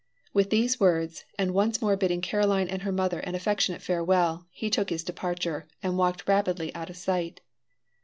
With these words, and once more bidding Caroline and her mother an affectionate farewell, he took his departure, and walked rapidly out of sight.